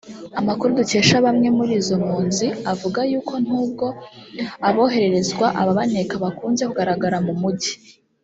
Amakuru dukesha bamwe muri izo mpunzi avuga yuko n’ubwo abohererezwa ababaneka bakunze kugaragara mu mujyi